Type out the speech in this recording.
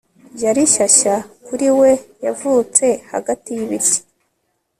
Yari shyashya kuri we yavutse hagati yibiti